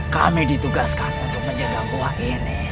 kami ditugaskan untuk menjaga buah ini